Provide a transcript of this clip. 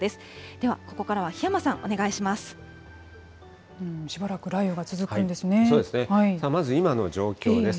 では、ここからは檜山さん、お願いします。